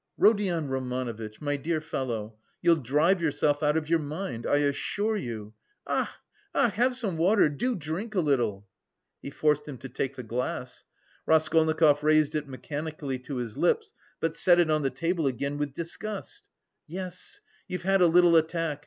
"Rodion Romanovitch, my dear fellow, you'll drive yourself out of your mind, I assure you, ach, ach! Have some water, do drink a little." He forced him to take the glass. Raskolnikov raised it mechanically to his lips, but set it on the table again with disgust. "Yes, you've had a little attack!